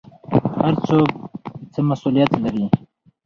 هر څوک څه مسوولیت لري؟